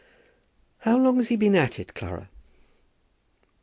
"How long has he been at it, Clara?"